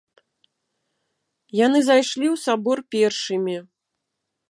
Яны зайшлі ў сабор першымі.